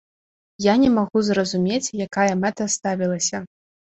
Я не магу зразумець, якая мэта ставілася.